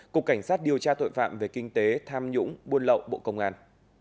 cục cảnh sát điều tra tội phạm về kinh tế tham nhũng buôn lậu bộ công an